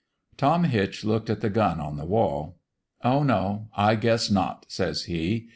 " Tom Hitch looked at the gun on the wall. 1 Oh, no, I guess not,' says he.